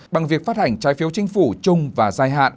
bằng việc phát hành trái phiếu chính phủ chung và dài hạn